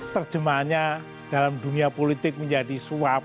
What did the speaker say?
terjemahnya dalam dunia politik menjadi suap